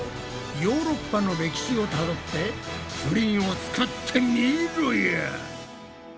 ヨーロッパの歴史をたどってプリンを作ってみろや！